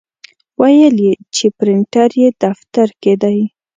ویل یې چې پرنټر یې دفتر کې دی.